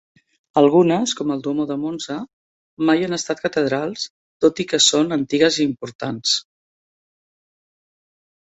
Algunes, com el Duomo de Monza, mai han estat catedrals, tot i que són antigues i importants.